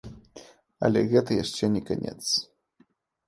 Але гэта яшчэ не канец.